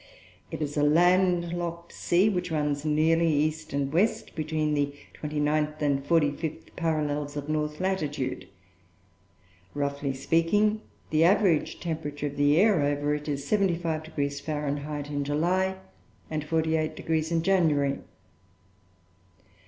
It is a landlocked sea which runs nearly east and west, between the twenty ninth and forty fifth parallels of north latitude. Roughly speaking, the average temperature of the air over it is 75° Fahr. in July and 48° in January.